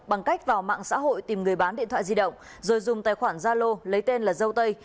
bằng cách vào mạng xã hội tìm người bán điện thoại di động rồi dùng tài khoản gia lô lấy tên là dâu tây